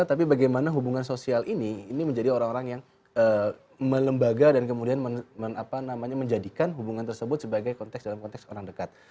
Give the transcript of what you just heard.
tapi bagaimana hubungan sosial ini ini menjadi orang orang yang melembaga dan kemudian menjadikan hubungan tersebut sebagai konteks dalam konteks orang dekat